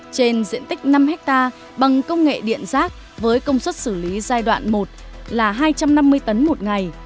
trên diện tích năm hectare bằng công nghệ điện rác với công suất xử lý giai đoạn một là hai trăm năm mươi tấn một ngày